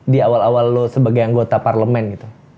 di awal awal lo sebagai anggota parlemen gitu